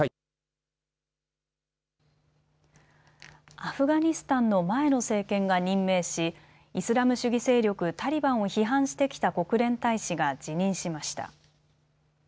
アフガニスタンの前の政権が任命しイスラム主義勢力タリバンを批判してきた国連大使が辞任しました。